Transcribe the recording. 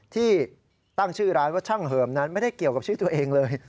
ที่ตั้งชื่อร้านว่าช่างเหิมนั้นไม่ได้เกี่ยวกับชื่อตัวเองเลย